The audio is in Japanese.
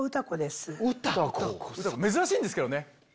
珍しいんですけどね。